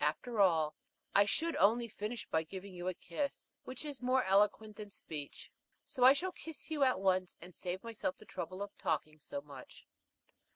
After all, I should only finish by giving you a kiss, which is more eloquent than speech; so I shall kiss you at once, and save myself the trouble of talking so much."